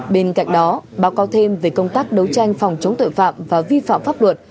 bên cạnh đó báo cáo thêm về công tác đấu tranh phòng chống tội phạm và vi phạm pháp luật